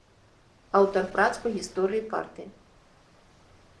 Аўтар прац па гісторыі партыі.